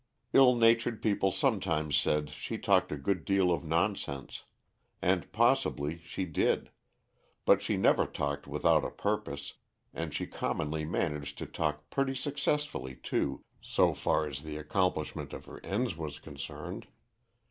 Ill natured people sometimes said she talked a good deal of nonsense, and possibly she did, but she never talked without a purpose, and she commonly managed to talk pretty successfully, too, so far as the accomplishment of her ends was concerned.